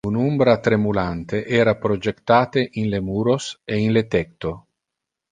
Un umbra tremulante era projectate in le muros e in le tecto.